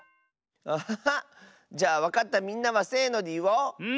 アハハ！じゃあわかったみんなはせのでいおう！